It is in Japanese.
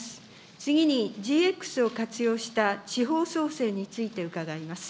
次に、ＧＸを活用した地方創生について伺います。